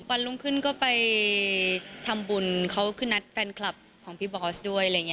วันลุงขึ้นก็ไปทำบุญเขาก็ขึ้นนัดแฟนคลับของพี่บอสด้วย